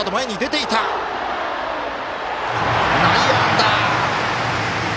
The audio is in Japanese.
内野安打！